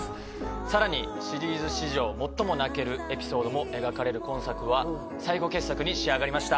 さらにシリーズ史上最も泣けるエピソードも描かれる今作は最高傑作に仕上がりました。